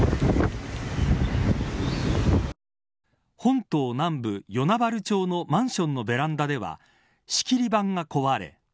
本島南部、与那原町のマンションのベランダでは仕切り版が壊れ